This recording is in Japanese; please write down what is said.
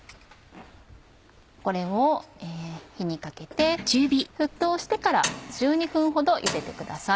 これを火にかけて沸騰してから１２分ほどゆでてください。